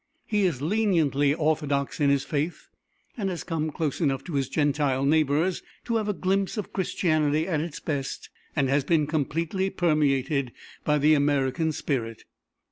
He is leniently orthodox in his faith, has come close enough to his Gentile neighbours to have a glimpse of Christianity at its best, and has been completely permeated by the American spirit.